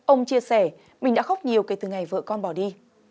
ông chia sẻ mình đã khóc nhiều kể từ ngày vợ con bỏ đi